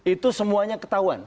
itu semuanya ketahuan